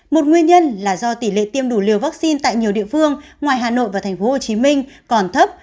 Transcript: một nguyên nhân là do tỷ lệ tiêm đủ liều vaccine tại nhiều địa phương ngoài hà nội và tp hcm còn thấp